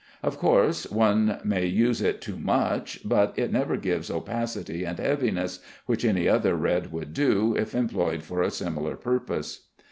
Of course, one may use it too much, but it never gives opacity and heaviness, which any other red would do if employed for a similar purpose.